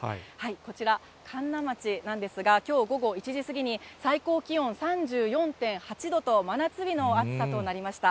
こちら、神流町なんですが、きょう午後１時過ぎに、最高気温３４．８度と、真夏日の暑さとなりました。